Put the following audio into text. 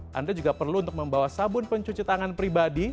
anda juga perlu untuk membawa sabun pencuci tangan pribadi